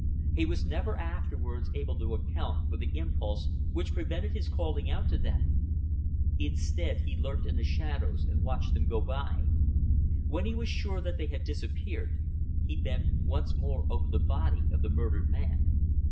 He was never afterwards able to account for the impulse which prevented his calling out to them. Instead he lurked in the shadows and watched them go by. When he was sure that they had disappeared, he bent once more over the body of the murdered man.